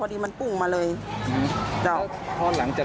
เปลี่ยนคนขับนี่คือยังไง